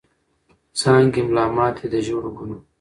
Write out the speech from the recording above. څانګي ملا ماتي د ژړو ګلو